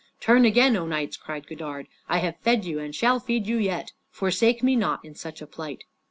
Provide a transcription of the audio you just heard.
"Turn again, O knights!" cried Godard; "I have fed you and shall feed you yet. Forsake me not in such a plight."